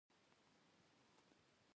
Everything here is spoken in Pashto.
قوانینو اشرافو ته عام سیاسي واک هم ورکړی و.